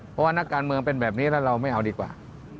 เพราะว่านักการเมืองเป็นแบบนี้แล้วเราไม่เอาดีกว่า